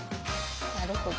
なるほど。